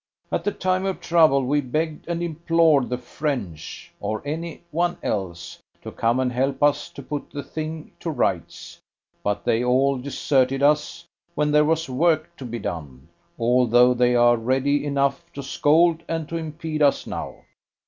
At the time of trouble we begged and implored the French, or any one else, to come and help us to put the thing to rights, but they all deserted us when there was work to be done, although they are ready enough to scold and to impede us now.